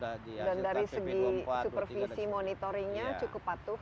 dan dari segi supervisi monitoringnya cukup patuh